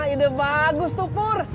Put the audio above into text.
ide bagus tuh pur